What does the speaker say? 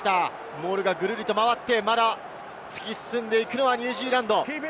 モールがぐるりと回って突き進んでいくのはニュージーランド。